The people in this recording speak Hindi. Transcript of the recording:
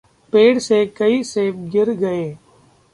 पेड़ से कई सेब गिर गये।